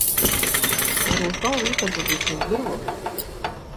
Уара утәала иҟаҵатәу сыздыруам!